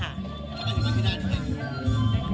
แล้วไปที่นั่นที่ไหน